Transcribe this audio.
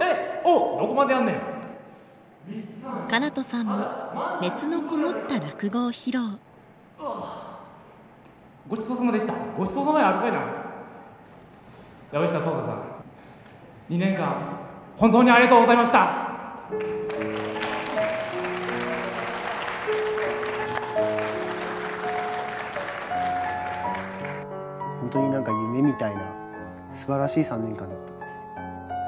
本当になんか夢みたいな素晴らしい３年間だったです。